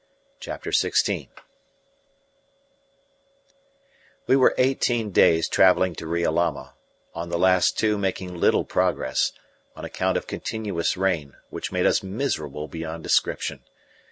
CHAPTER XVI We were eighteen days travelling to Riolama, on the last two making little progress, on account of continuous rain, which made us miserable beyond description.